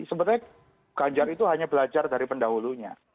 sebenarnya ganjar itu hanya belajar dari pendahulunya